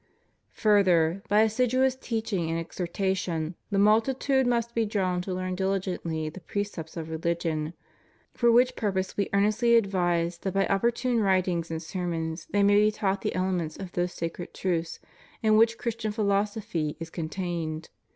Further, by assiduous teaching and exhortation, the multitude must be drawn to learn diligently the precepts of religion; for which purpose We earnestly advise that by opportune writings and sermons they be taught the elements of those sacred truths in which Christian phi losophy is contained.